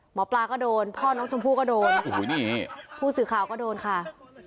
หมอปลาก็โดนพ่อน้องชมพู่ก็โดนโอ้โหนี่ผู้สื่อข่าวก็โดนค่ะ